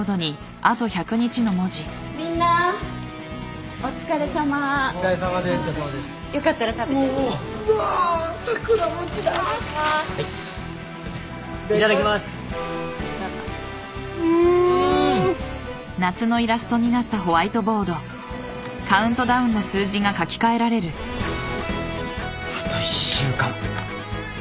あと１週間。